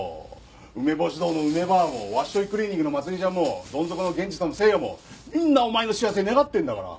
うめぼし堂の梅ばあもわっしょいクリーニングのまつりちゃんもどんぞこの源治さんと聖夜もみんなお前の幸せ願ってんだから！